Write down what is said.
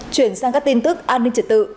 chuyển sang các tin tức an ninh trật tự